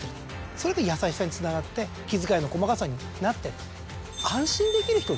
それが優しさにつながって気遣いの細かさになって。